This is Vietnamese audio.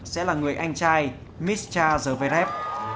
sẽ là người anh trai mischa zverev